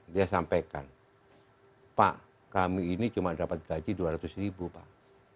dia sampaikan pak kami ini cuma dapat gaji dua ratus ribu pak